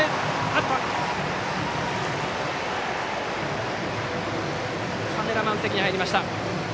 カメラマン席に入りました。